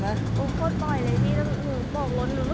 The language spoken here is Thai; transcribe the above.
ผมก็เอาว่าทำไม